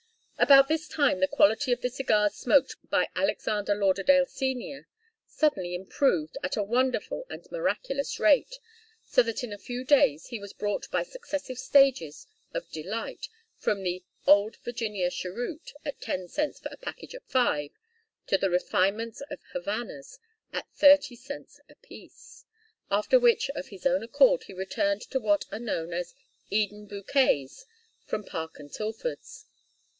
About this time the quality of the cigars smoked by Alexander Lauderdale Senior suddenly improved at a wonderful and miraculous rate, so that in a few days he was brought by successive stages of delight from the 'Old Virginia Cheroot,' at ten cents for a package of five, to the refinement of Havanas, at thirty cents apiece, after which of his own accord he returned to what are known as Eden Bouquets from Park and Tilford's.